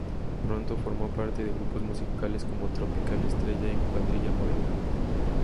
Pronto formó parte de grupos musicales como "Tropical Estrella" y "Cuadrilla Morena".